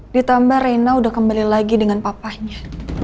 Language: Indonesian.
ditambah reina sudah kembali lagi dengan papahnya